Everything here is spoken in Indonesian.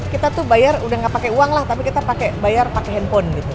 kita tuh bayar udah nggak pakai uang lah tapi kita pakai bayar pakai handphone gitu